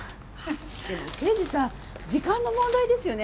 でも刑事さん時間の問題ですよね。